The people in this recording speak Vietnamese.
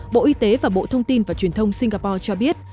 bộ y tế và bộ thông tin và truyền thông singapore cho biết